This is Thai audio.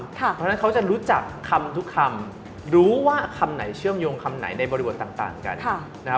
เพราะฉะนั้นเขาจะรู้จักคำทุกคำรู้ว่าคำไหนเชื่อมโยงคำไหนในบริบทต่างกันนะครับ